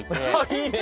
いいね。